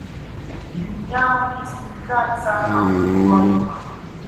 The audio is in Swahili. Ni mnyama mwenye speed kali sana ukimtoa duma